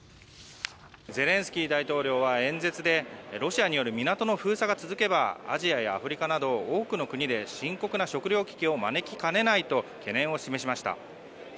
ゼレンスキー大統領は演説でロシアによる港の封鎖が続けばアジアやアフリカなど多くの国で深刻な食糧危機を招きかねないと懸念を示しました。